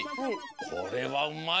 これはうまい。